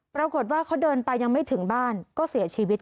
ปรากฏว่าเขาเดินไปยังไม่ถึงบ้านก็เสียชีวิต